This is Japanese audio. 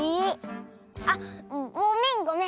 あっごめんごめん。